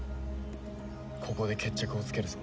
ここで決着をつけるぞ。